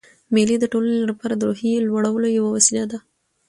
مېلې د ټولنې له پاره د روحیې لوړولو یوه وسیله ده.